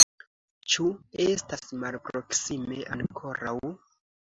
Ĉu estas malproksime ankoraŭ?